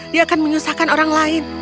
dia akan menyusahkan orang lain